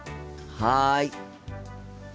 はい。